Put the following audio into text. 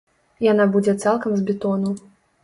Яна будзе цалкам з бетону.